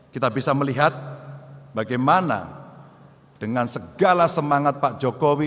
kita bisa melihat bagaimana dengan segala semangat pak jokowi